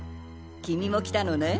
君も来たのね。